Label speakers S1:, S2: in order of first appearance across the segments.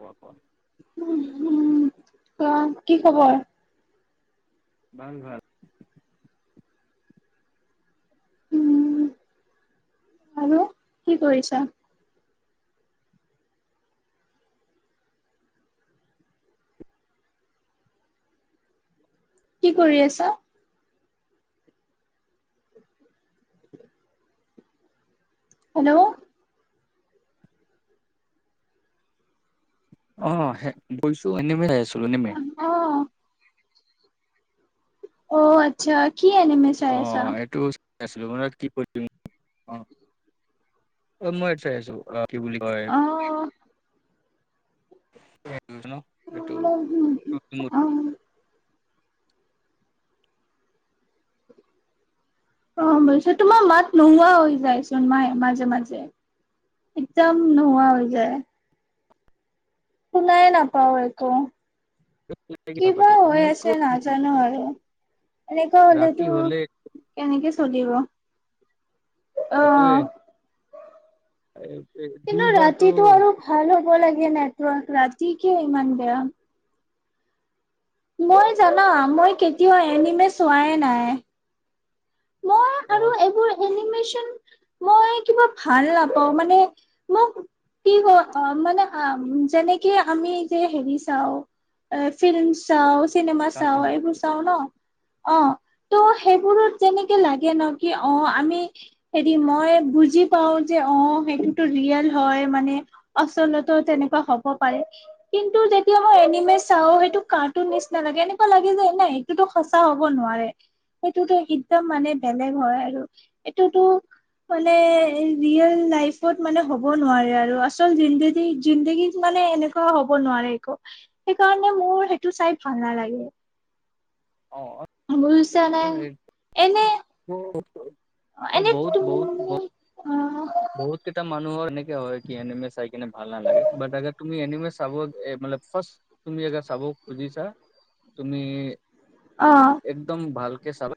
S1: কোৱা-কোৱা।
S2: ক কি খবৰ?
S1: ভাল-ভাল।
S2: উম, আৰু কি কৰিছা? কি কৰি আছা? হেল্ল',
S1: অ, বইছো এনিমে চাই আছো।
S2: অ, অ, আচ্ছা কি এনিমে চাই
S1: অ
S2: আছা।
S1: এইটো চাই আছিলো মানে কি কৰিম অ, তন মই চাই আছিলো অ', কি বুলি কয়?
S2: অ
S1: এইটো
S2: উ [unintelligible] অ, বিছ তোমাৰ মাত নোহোৱা হৈ যায়চোন মায়ে-মাজে-মাজে। একদম নোহোৱা হৈ যায়। সোণাই নাপওঁ একো।
S1: কথা
S2: কিবা
S1: পাতি
S2: হৈ আছে নাজানো আৰু। এনেকুৱা
S1: ৰাতি
S2: হলেতো
S1: হলে
S2: কেনেকে চল লিব
S1: এইটোয়ে
S2: অহ, কিন্তু
S1: দুইবাৰতো
S2: ৰাতিটো আৰু ভাল হ'ব লাগে নেটৱৰ্ক ৰাতি কিয় ইমান বেয়া। মই জানা মই কেতিয়াও এনিমে চোৱাই নাই। মই আৰু
S1: অহ,
S2: এইবোৰ এনিমেচন মই কিবা ভাল নাপাওঁ মানে মোক কি হয় মানে যেনেকে আমি যে হেৰি চাও অ', ফিল্ম ছাও। চিনেমা চাওঁ
S1: কাৰ্টুন
S2: এইবোৰ চাওঁ ন অ ত' সেইবোৰত তেনেকে লাগে ন কি অ, আমি হেৰি মই বুজি পাও যে অ, সেইটোতো ৰিয়েল হয় মানে আছলতে তেনেকুৱা হব পাৰে, কিন্তু এনিমে ছাও সেইটো কাৰটোন নিচানা লাগে এনেকুৱা লাগে যে নাই সেইটোতো সঁচা হ'ব নোৱাৰে সেইটোতো, একদম মানে বেলেগ হয় আৰু এইটোতো। মানে ৰিয়েল লাইফত মানে হ'ব নোৱাৰে আৰু আচল জিন্দেগী জিন্দেগী মান মানে এনেকুৱা হ'ব নোৱাৰে একো সেইকাৰণে মোৰ সেইটো চাই ভাল নালাগে।
S1: অ। অ
S2: বচ ন এনে [unintelligible]
S1: অ
S2: এনে
S1: বহুত বহুত
S2: তুমি
S1: বহত
S2: অ
S1: বহুত কেইটা মানুহৰ এনেকে হয় কি এমে চাই কিনে ভাল নালাগে ব আ তুমি এনিমে চাব মানে ফাৰ্ষ্ট তুমি চাব খুজিছা তুমি
S2: অ
S1: একদম ভালকে চাবা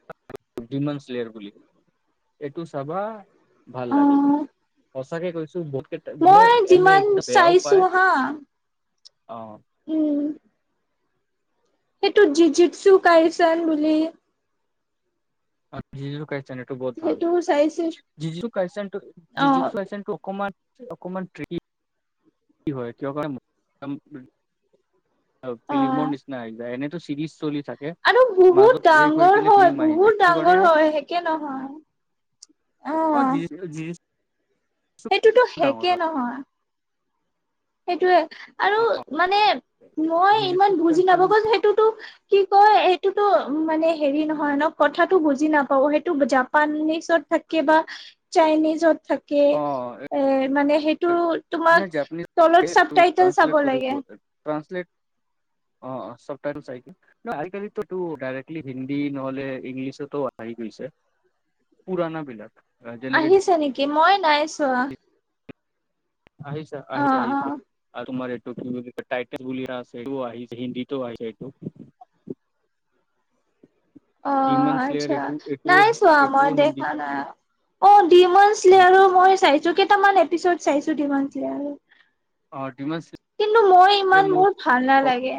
S1: বুলি এইটো চাবা ভাল
S2: অ
S1: লাগিব সঁচাকে কৈছোঁ। লে
S2: মই
S1: এম
S2: যিমান
S1: একদম বয়া
S2: চাইছো
S1: পায়
S2: হা
S1: অ।
S2: উম। সেইটো জি জচু কাইচান বুলি
S1: অ ক [inaudible] বহুত ভাল
S2: সেইটোও চাইছো অ
S1: [unintelligible] অকমান অকমান [unintelligible] কি হয় [unintelligible]
S2: অ
S1: ফিলিমৰ নিচনা [unintelligible] চিৰিজ চলি থাকে
S2: আৰু বহুত
S1: মাজত ব্ৰেক হৈ
S2: ডাঙৰ
S1: কিনে
S2: হয়,
S1: ফিল্ম আহি যায়
S2: বহুত
S1: সেইটো কাৰণে
S2: ডাঙৰ হয়, শেষে নহয়।
S1: অ', [unintelligible]
S2: সেইটোতো
S1: ডাঙৰ
S2: শেষে
S1: হয়
S2: নহয়। সেইটোৱে। আৰু
S1: অ
S2: মানে মই
S1: জিজু
S2: ইমান বুজি
S1: কাইচেন
S2: নাপাব [unintelligible] সেইটোতো কি কয় হেইটো টোতো উম, মানে হেৰি নহয় ন কথাতটো বুজি নাপাও, সেইটো জাপানিচত থাকে বা চাইনিজত থাকে।
S1: অ
S2: এ মানে হেইটো
S1: নে
S2: তোমাক
S1: জাপানিজ
S2: তলত চাব টাইটেল চাব
S1: ট্ৰান্সলেট কৰিব
S2: লাগে।
S1: ট্ৰান্সলেট অ', অ', চাবটাইটল চাই [unintelligible] আজিকালিটো ডাইৰেকটলি হিন্দী নহ'লে ইংলিছতো আহি গৈছে, পুৰণা বিলাক। যেনেকে
S2: আহিছে নেকি? মই নাই চোৱা।
S1: আহিছে,
S2: অ'
S1: আহিছে-আহিছে
S2: অ'
S1: [unintelligible] [unintelligible] হিন্দীতো আহিছে এইটো।
S2: [inaudible]
S1: [unintelligible]
S2: অ', আচ্ছা।
S1: এইটো এইটো
S2: নাই চোৱা মই
S1: এইটোও
S2: দেখা
S1: হিন্দীত
S2: না অ', [unintelligible] আৰু মই চাইছো কেইটামান এপিচড চাইছো [unintelligible]
S1: অ ডিমন
S2: কিন্তু মই ইমান, মোৰ ভাল নালাগে।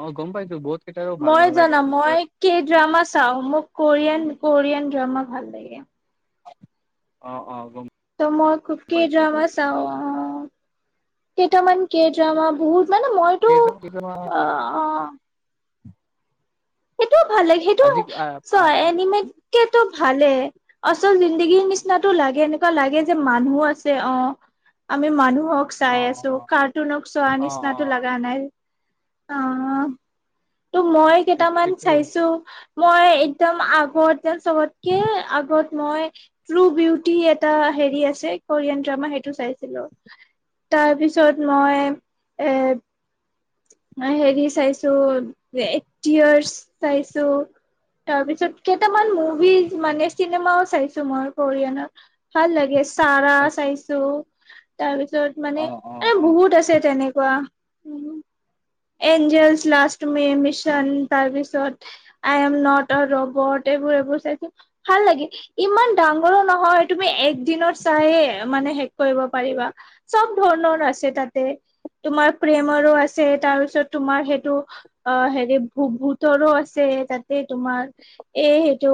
S1: অ', গম পাই
S2: মই জানা, মই কে ড্ৰামা চাও। মোক কোৰিয়ান কোৰিয়ান ড্ৰামা ভাল লাগে।
S1: অ' অ'। গম
S2: ত' মই খুব কে
S1: পাইছো
S2: ড্ৰামা
S1: গম
S2: চাওঁ। অ' কেইটামান কে ড্ৰামা বহুত মানে মইতো
S1: কেইটা কেইটামান
S2: অ' অ'।
S1: [inaudible]
S2: সেইটো ভাল লাগে। সেইটো
S1: আজি অ
S2: চ এনিমেট কেতো ভালে আচল জিন্দগীৰ নিচিনাতটো লাগে এনেকুৱা লাগে যে মানুহো আছে। অ'। আমি মানুহক
S1: অ
S2: চাই আছো। কাৰ্টুনক চোৱা
S1: অ
S2: নিচনাাতটো
S1: অ
S2: লগা নাই। অহ ' ত' মই কেইটামান
S1: একটোৱে
S2: চাইছো মই একদম আগতে যেন চবতকে আগত মই ট্ৰু বিউটি এটা হেৰি আছে কোৰিয়ান ড্ৰামা সেইটো চাইছিলো। তাৰ পিছত মই এ অ' হেৰি চাইছো [unintelligible] চাইছো। তাৰ পিছত কেইটামান মুভি মানে চিনেমাও চাইছো, মই কৰিয়ানত ভাল লাগি। চাৰা চাইছোঁ, তাৰপিছত মানে
S1: অ', অ',
S2: এ
S1: অ',
S2: বহুত আছে তেনেক কুৱা, উম এঞ্জেলছ লাষ্ট মে' মিছন, তাৰপিছত I am not a robot এইবোৰ-এইবোৰ চাইছোঁ, ভাল লাগে, ইমান ডাঙৰো নহয়, তুমি এক দিনত চাই মানে শেষ কৰিব পাৰিবা, চব ধৰণৰ আছে তাতে, তোমাৰ প্ৰেমৰো আছে, তাৰপি তাৰ পিছত তোমাৰ সেইটো অ' হেৰি ভূ ভূতৰো আছে তাতে তোমাৰ এই সটো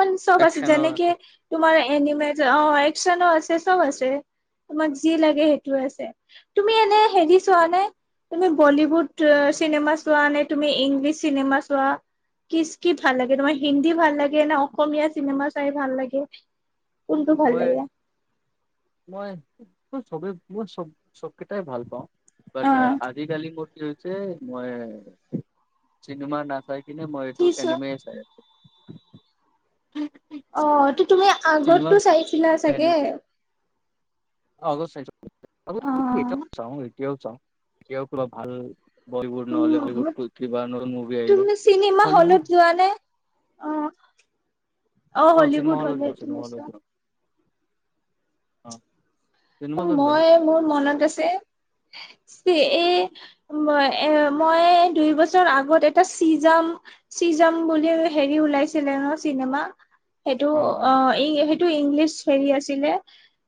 S2: মান চব আছে।
S1: একচনৰ
S2: যেনেকে
S1: আছে।
S2: তোমাৰ এনিমেটৰ অ'একচনো আছে চব আছে। তোমাক যি লাগে সেইটো আছে। তুমি এনে হেৰি চোৱা নাই তুমি বলিউড চিনেমা চোৱা নে তুমি ইংলিছ চিনেমা চোৱা? কিচ কি ভাল লাগে তোমাৰ হিন্দী ভাল লাগে না অসমীয়া চিনেমা চাই ভাল লাগে
S1: উম।
S2: কোনটো ভাল
S1: মই,
S2: লাগে
S1: মই মই চব চব কেইটাই ভাল পাওঁ। বাট,
S2: অ
S1: আজিকালি মোৰ কি হৈছে মই চিনেমা নাচাই কিনে মই এইটো
S2: কি চোৱা
S1: এনিমেই চাই আছো।
S2: অ' ত তুমি
S1: চিনেমা
S2: আগতটো চাইছিলা চাগে?
S1: আগত চাইছোঁ। আগত
S2: অ
S1: টো এতিয়াও চা এতিয়াও কিবা ভাল বলিউড নহলে হলিউড
S2: উম
S1: কিবা নতুন মুভি আহিলে।
S2: তুমি চিনেমা
S1: হলিউড
S2: হলত যোৱা নে অ। আহ হলিউড হলে তুমি চোৱা।
S1: অহ '।
S2: মই মোৰ মনত আছে এই, উম মই দুই বছৰ আগত এটা চিজন [unintelligible] বুলি হেৰি ওলাইছিলে ন' চিনেমা? সেইটো অ' ই সেইটো ইংলিছ হেৰি আছিলে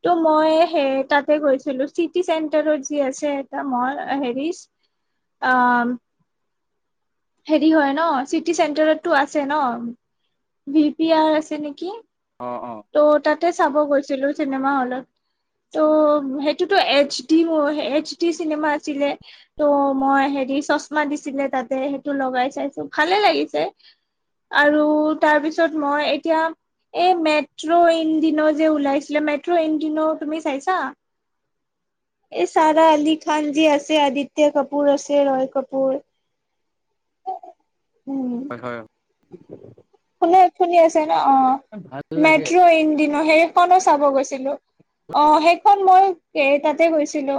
S2: ত' মই সেই তাতে গৈছিলো চিটি চেন্টাৰত যে আছে এটা মল, হেৰি উম হেৰি হয় ন' চিটি চেণ্টাৰতটো আছে ন'! ভি পি আৰ আছে নেকি?
S1: অ', অ',
S2: ত' তাতে চাব গৈছিলো চিনেমা হলত। ত' সেইটোতো এইচ ডি হয়। এইচ ডি চিনেমা আছিলে ত' মই থ্ৰী দী চশমা দিছিলে তাতে সেইটো লগাই চাইছোঁ ভালেই লাগিছে। আৰু তাৰ পিছত মই এতিয়া এই মেট মেট্ৰ' ইন ডিন' যে ওলাইছিলে! মেট্ৰ' ইন ডিন' তুমি চাইছা? এই চাৰা আলি খান যে আছে, আদিত্য কাপুৰ আছে ৰয় কাপুৰ উম।
S1: [inaudible]
S2: শুনে শুনি আছে ন? অ'
S1: ভাল লাগে।
S2: মেট্ৰো ই ইন ডিন' সেইখনে চাব গৈছিলোঁ। অ' সেইখন মই তাতে গৈছিলো।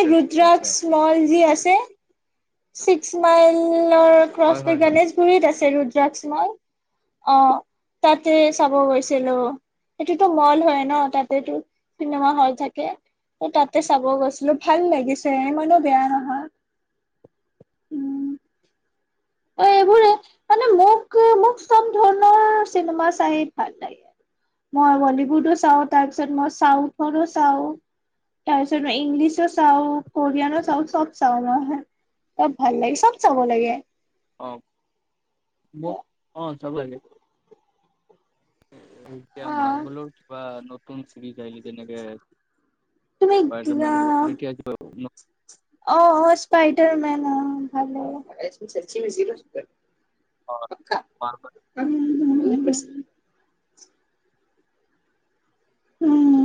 S2: এই
S1: আচ্ছা আচ্ছা
S2: ৰুদ্ৰাক্ষ মল যে আছে! ছিক্স মাইলৰ
S1: হয়
S2: ক্ৰছ
S1: হয় হয়
S2: গণেশগুৰিত আছে ৰুদ্ৰাক্ষ মল। অ' তাতে চাব গৈছিলোঁ। এইটোতো মল হয় ন' তাতেটো চিনেমা হল থাকে। তাতে চাব গৈছিলোঁ। ভাল লাগিছে, ইমানো বেয়া নহয়। উম। অ এইবোৰে
S1: [inaudible]
S2: মানে মোক মোক সব ধৰণৰ চিনেমা চাই ভাল লাগে। মই বলীউডো চাওঁ, তাৰ পিছত মই চাউথৰো চাওঁ তাৰ পিছত ইংলিছো চাওঁ, কৰিয়ানো চাওঁ, চব চাওঁ মই। চব ভাল লাগে, চব চাব লাগে।
S1: অ', মোক, অ' চাব লাগে। এতিয়া
S2: অ
S1: মাৰ্ভেলৰ কিবা নতুন ছিৰিজ আহিলে তেনেকে,
S2: তুমি
S1: স্পাইদাৰমেনৰ নতুন এতিয়া কিবা নতু
S2: অ' অ', স্পাইডাৰমেন অ', ভাল লাগে।
S1: অ', মাৰ্ভেল
S2: উম। উম।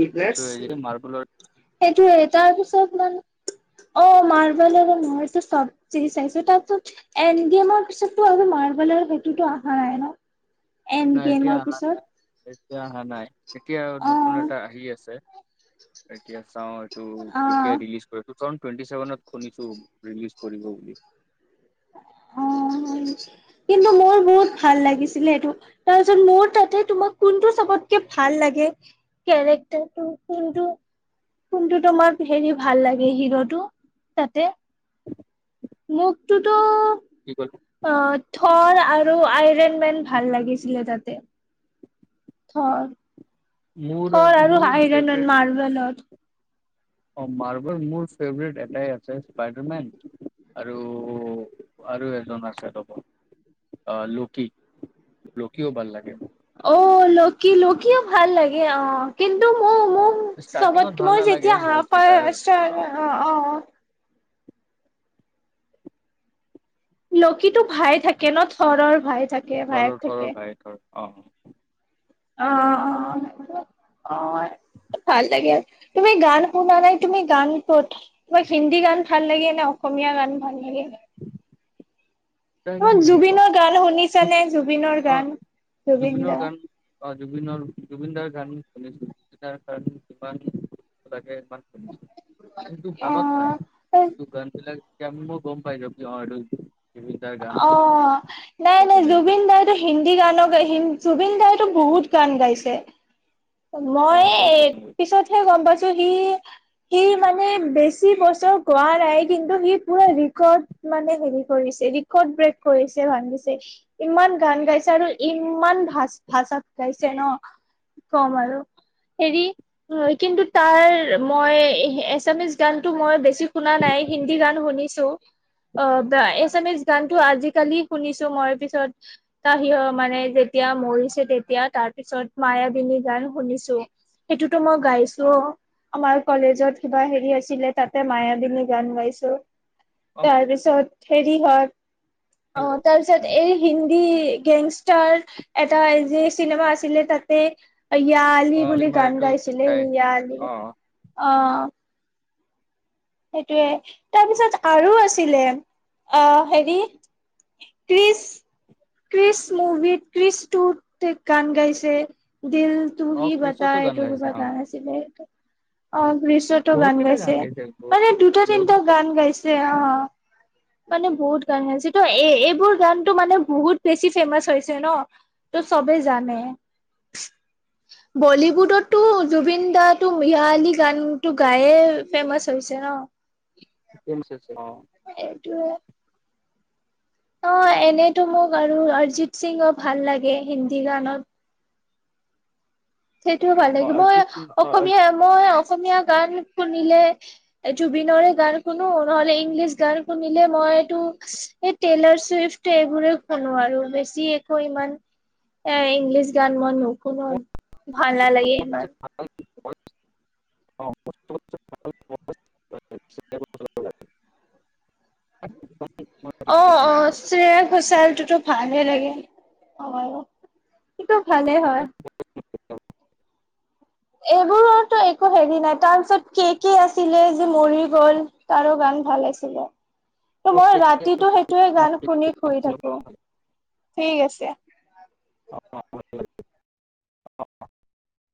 S2: ফিটনেছ,
S1: মাৰ্বলৰ
S2: সেইটোৱেই, তাৰপিছত মানে অ', মাৰ্ভেলৰো নহয়, এইটো চব ছিৰিজ চাইছোঁ, তাৰপিছত এন ডি এমৰ পিছততো আৰু মাৰ মাৰ্ভেলৰ সেইটোতো অহা নাই ন? এণ্ড
S1: নাই, এতিয়া
S2: গেমৰ
S1: অহা
S2: পিছত
S1: নাই, এতিয়া অহা নাই, এতিয়া নতুন
S2: অ',
S1: এটা আহি আছে। এতিয়া চাওঁ, এইটো কেতিয়া
S2: অ',
S1: ৰিলিজ কৰে জন টুৱেণ্টি ছেভেনত শুনিছোঁ ৰিলিজ কৰিব বুলি।
S2: অ' অ', কিন্তু মোৰ বহুত ভাল লাগিছিলে এইটো, তাৰপিছত মোৰ তাতে তোমাক কোনটো চাপ চবকে ভাল লাগে, কেৰেক্টাৰটো কিন্তু কোনটো তোমাৰ হেৰি ভাল লাগে হিৰোটো তাতে। মুখটোতো
S1: কি ক
S2: অ, থৰ আৰু আইৰন ন ভাল লাগিছিলে তাতে।
S1: মোৰ
S2: থৰ-থৰ আৰু
S1: মোৰ
S2: আইৰন
S1: ফেভৰেট
S2: মেন মাৰ্বেলত।
S1: অ, মাৰ্বেল মোৰ ফেভাৰট এটাই আছে স্পাইডাৰমেন। আৰু আৰু এজন আছে লগ আহ, লকী। লকিও ভাল লাগে।
S2: অ, লকী-লকীও ভাল লাগে অ', কিন্তু মই-মই
S1: অ'
S2: চব
S1: ষ্টাৰ্টিঙত ভাল নালাগে
S2: যেতিয়া
S1: বহুত
S2: অ,
S1: কেইটাৰ অ'
S2: অ, লকীটো ভাইে থাকে ন থৰৰ ভাই থাকে ভায়েক
S1: থৰৰ থৰৰ
S2: থাকে।
S1: ভাই থৰ অ',
S2: অ, অ, অ, অ, ভাল লাগে তুমি গান শুনা নাই তুমি গানটোত তোমাক হিন্দী গান ভাল লাগে ন' অসমীয়া গান ভাল লাগে?
S1: [inaudible] তাৰ
S2: অ,
S1: গান ভাল পাওঁ।
S2: জুবিনৰ গান শুনিছানে জুবিনৰ
S1: অ'
S2: গান জুবিন
S1: জুবিনৰ
S2: দা।
S1: গান অ' জুবিনৰ জুবিনদাৰ গান শুনিছোৰ কাৰণে কিমান লাগে ই, কিন্তু মনত নাই
S2: অ
S1: কিন্তু গানবিলাক, কেম মই গম পাই যাব যে এইটো, জুবিন দাৰ গান
S2: অ,
S1: হয়। কোনোবা
S2: নাই-নাই
S1: বেলেগ গান
S2: জুবিন দাইটো হিন্দী গানো গায় হিন্দী, জুবিন দাইতো বহুত গান গাইছে।
S1: অ'
S2: মই
S1: বহুত গান
S2: পিছতহে গম পাইছো সি-সি মানে, এ বেছি বছৰ গোৱা নাই কিন্তু সি পুৰা ৰিকৰ্ড মানে হেৰি কৰিছে ক'ত ব্ৰেক কৰিছে [unintelligible] ইমান গান গাইছে আৰু ইমান ভা ভাষাত গাইছে ন, কি কম আৰু হেৰি কিন্তু তাৰ মই এছামিচ গানটো মই বেছি শুনা নাই হিন্দী গান শুনি শুনিছো অ বা এছামিচ গানটো আজিকালি শুনিছো মই পিছত, ত সি মানে যেতিয়া মৰিছে তেতিয়া তাৰ তাৰপিছত মায়াবিনী গান শুনিছো সেইটোতো মই গাইছো অ' আমাৰ কলেজত কিবা হেৰি আছিলে তাতে মায়াবিনী গান গাইছো
S1: অ'
S2: তাৰপিছত হেৰি হয়, অ তাৰপিছত এই হিন্দী গেংষ্টাৰ এটা যে চিনেমা আছিলে তাতে ইয়া আলি বুলি
S1: কোনোবা
S2: গান
S1: এইটো
S2: গাইছিলে
S1: তাই
S2: ইয়া আলি,
S1: অ'
S2: অঁ। সেইটোৱে, তাৰপিছত আৰু আছিলে, অহ হেৰি ক্ৰিচ [inaudible] ক্ৰিচ মুভিত ক্ৰিচ টুত গান গাইছে। দিল
S1: অ'
S2: তুহি বাতা
S1: ক্ৰিছতো গান
S2: এইটো
S1: গাইছে
S2: কিবা
S1: অ'
S2: গান আছিলে অ গ্ৰীচটো
S1: বহুত
S2: গান
S1: কেইটা
S2: গাইছে
S1: বহুত
S2: মানে দুটা
S1: বহুত
S2: তিনিটা গান গাইছে অ অ মানে বহুত গান গাইছেটো এ এইবোৰ গানটো মানে বহুত বেছি ফেমাচ হৈছে ন, ত' চবেই জানে [inaudible] বলীউডতটো জুবিন দা ইয়া আলি গানটো গায়ে ফেমাচ হৈছে ন। [inaudible]
S1: তেমচ আছে অঁ।
S2: এইটোৱে। অ এনেতো মোক আৰু অৰ্জিত সিঙো ভাল লাগে হিন্দী গানত। সেইটোও ভাল লাগে মই অসমীয়া মই অসমীয়া গান শুনিলে এই জুবিনৰে গান শুনো নহলে ইংলিছ গান শুনিলে মই এইটো এই টেইলাৰ চুইফট এইবোৰে শুনো আৰু বেছি একো ইমান এ ইংলিছ গান মই নুশুনো ভাল নালাগে ইমান।
S1: [unintelligible] [unintelligible]
S2: অ অ শ্ৰেয়া ঘোচালটোতো ভালে লাগে অ [inaudible] কিন্তু ভালে হয়। এইবোৰৰটো একো হেৰি নাই তাৰপিছত কে কে আছিলে যে মৰি গ'ল তাৰো ভাল গান ভাল আছিলে, ত' মই ৰাতিটো সেইটোৱে গান শুনি শুই থাকো [inaudible] ঠিক আছে [inaudible]
S1: [unintelligible]